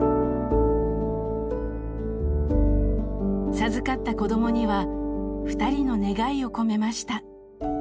授かった子どもにはふたりの願いを込めました。